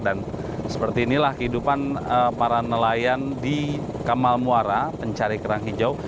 dan seperti inilah kehidupan para nelayan di kamal muara mencari kerang hijau